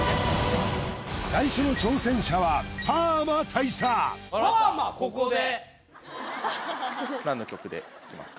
最初の挑戦者はパーマここで？